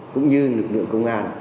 cũng như lực lượng công an